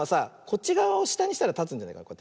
こっちがわをしたにしたらたつんじゃないかな。